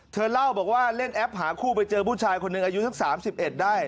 เธอเล่าบอกว่าเล่นแอปหาคู่ไปเจอผู้ชายคนหนึ่งอายุสัก๓๑ได้